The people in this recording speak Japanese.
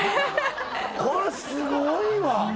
これすごいわ！